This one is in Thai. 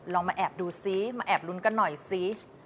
มาแอบดูซิมาแอบลุ้นกันหน่อยสิ